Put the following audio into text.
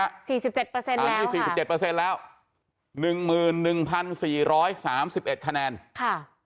๔๗แล้วตอนนี้๔๗เปอร์เซ็นต์แล้ว๑๑๔๓๑คะแนนค่ะ